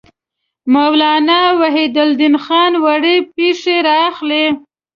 مولانا وحیدالدین خان وړې پېښې را اخلي.